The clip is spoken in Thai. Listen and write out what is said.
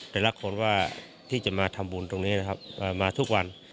แต่ละคนว่าที่จะมาทำบุญตรงนี้นะครับมาทุกวัน